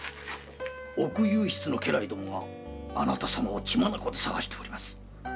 奥右筆の家来どもがあなたさまを血眼で捜しております。